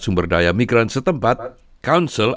yang diakui oleh oswim